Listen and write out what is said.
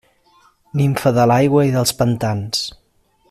Nimfa de l'aigua i dels pantans.